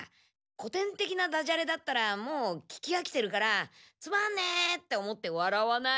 こてんてきなダジャレだったらもう聞きあきてるからつまんねえって思ってわらわない。